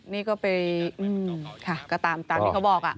นี่ก็ไปก็ตามที่เขาบอกอะ